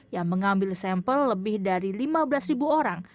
yang mengambil sampel lebih dari lima belas ribu orang